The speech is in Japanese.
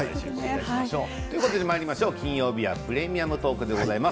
金曜日は「プレミアムトーク」でございます。